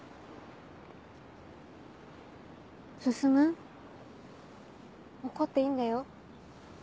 進怒っていいんだよ。